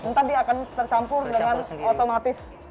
nanti akan tercampur dengan otomatis